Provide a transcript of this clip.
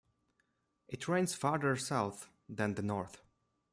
It rains farther south than the north.